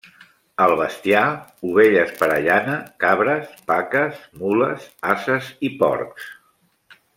El bestiar, ovelles per a llana, cabres, vaques, mules, ases i porcs.